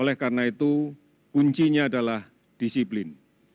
oleh karena itu kuncinya adalah disiplin